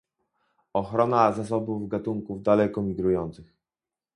Ochrona zasobów gatunków daleko migrujących